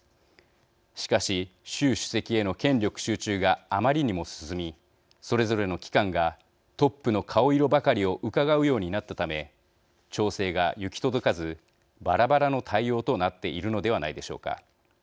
しかし、習主席への権力集中があまりにも進みそれぞれの機関がトップの顔色ばかりをうかがうようになったため調整が行き届かずばらばらの対応となっているのではないでしょうか。